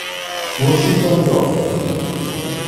Washington Joseph